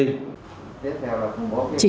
chỉ trong thời gian này